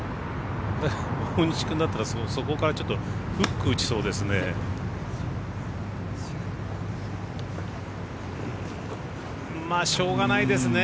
大西君だったらそこからちょっとフック、打ちそうですね。